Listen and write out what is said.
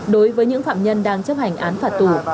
đối với những phạm nhân đang chấp hành án phạt tù